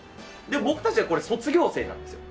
僕たちはこれ卒業生なんですよ。